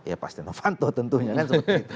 ya pasti novanto tentunya kan seperti itu